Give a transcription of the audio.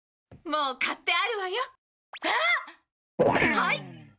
はい！